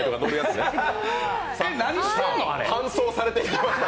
搬送されていきました。